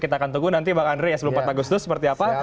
kita akan tunggu nanti pak andre sebelum empat agustus seperti apa